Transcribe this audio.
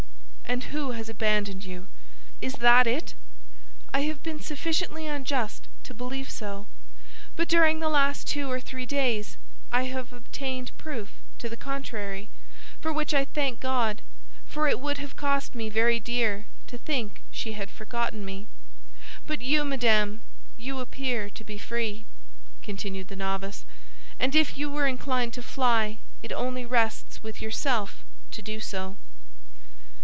"And who has abandoned you—is that it?" "I have been sufficiently unjust to believe so; but during the last two or three days I have obtained proof to the contrary, for which I thank God—for it would have cost me very dear to think she had forgotten me. But you, madame, you appear to be free," continued the novice; "and if you were inclined to fly it only rests with yourself to do so."